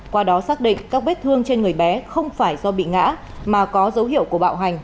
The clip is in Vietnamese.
qua đó xác định các vết thương trên người bé không phải do bị ngã mà có dấu hiệu của bạo hành